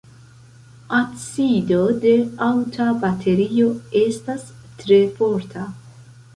Acido de aŭta baterio estas tre forta.